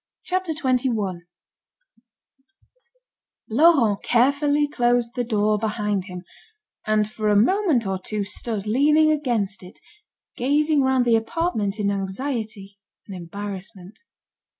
CHAPTER XXI Laurent carefully closed the door behind him, and for a moment or two stood leaning against it, gazing round the apartment in anxiety and embarrassment.